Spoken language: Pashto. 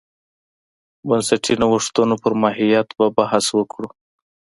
بنسټي نوښتونو پر ماهیت به بحث وکړو.